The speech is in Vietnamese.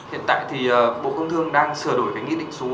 hiện tại thì bộ công thương đang sửa đổi cái nghị định số bốn mươi hai